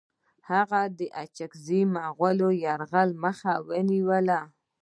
هغه د چنګېزي مغولو د یرغل مخه ونیوله.